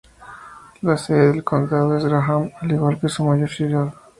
La sede del condado es Graham, al igual que su mayor ciudad.